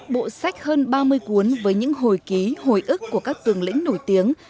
bộ sách hơn ba mươi cuốn với những hồi ký hồi ức của các tường lĩnh nổi tiếng